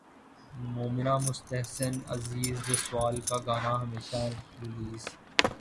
مومنہ مستحسن عزیر جسوال کا گانا ہمیشہ ریلیز